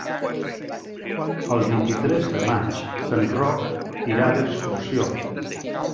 El vint-i-tres de maig en Roc irà d'excursió.